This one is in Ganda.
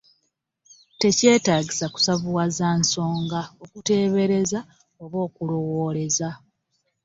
Tekyetaagisa kusavuwaza nsonga, okuteebereza oba okulowooleza.